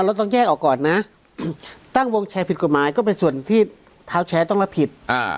เราต้องแยกออกก่อนนะตั้งวงแชร์ผิดกฎหมายก็เป็นส่วนที่เท้าแชร์ต้องรับผิดอ่า